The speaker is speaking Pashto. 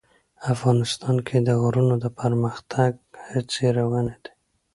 افغانستان کې د غرونه د پرمختګ هڅې روانې دي.